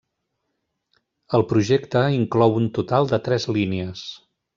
El projecte inclou un total de tres línies.